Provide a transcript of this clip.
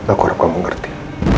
aku harap kamu mengerti